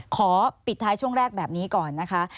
ขอปิดท้ายช่วงแรกแบบนี้ก่อนนะคะ